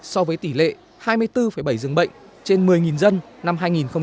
so với tỷ lệ hai mươi bốn bảy dường bệnh trên một mươi dân năm hai nghìn một mươi